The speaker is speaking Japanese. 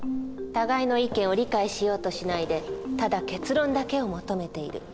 互いの意見を理解しようとしないでただ結論だけを求めている。